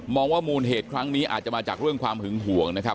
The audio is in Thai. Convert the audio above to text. ว่ามูลเหตุครั้งนี้อาจจะมาจากเรื่องความหึงห่วงนะครับ